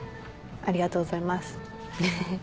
ありがとうございます。